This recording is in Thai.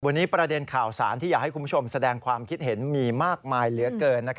วันนี้ประเด็นข่าวสารที่อยากให้คุณผู้ชมแสดงความคิดเห็นมีมากมายเหลือเกิน